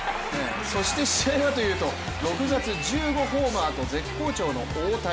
そして試合はというと６月１５ホーマーと絶好調の大谷。